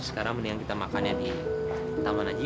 sekarang mendingan kita makannya di taman aja